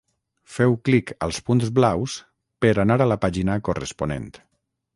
Féu clic als punts blaus per anar a la pàgina corresponent.